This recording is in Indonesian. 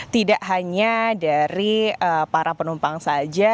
tidak hanya dari para penumpang saja